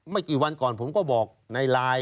กี่วันก่อนผมก็บอกในไลน์